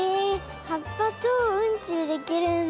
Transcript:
はっぱとうんちでできるんだ。